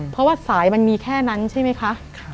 เพราะว่าสายมันมีแค่นั้นใช่ไหมคะ